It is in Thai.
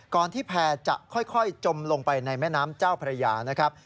ก่อนที่แพร่จะค่อยจมลงไปในแม่น้ำเจ้าพระยา